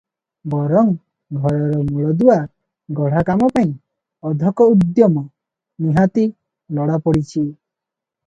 ବରଂ ଘରର ମୂଳଦୁଆ ଗଢ଼ା କାମ ପାଇଁ ଅଧକ ଉଦ୍ୟମ ନିହାତି ଲୋଡ଼ାପଡ଼ିଛି ।